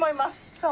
そう？